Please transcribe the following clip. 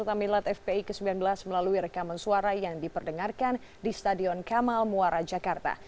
kota milot fpi ke sembilan belas melalui rekaman suara yang diperdengarkan di stadion kamal muara jakarta